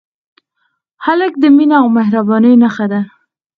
هلک د مینې او مهربانۍ نښه ده.